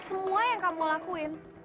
semua yang kamu lakuin